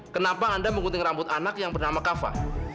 kenapa anda mengguning rambut anak yang bernama kafa